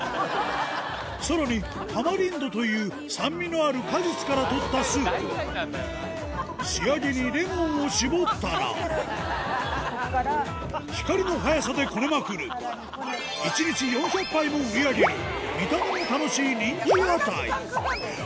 さらにタマリンドという酸味のある果実から取ったスープ仕上げにレモンを搾ったら光の速さでこねまくる１日４００杯も売り上げる見た目も楽しい人気屋台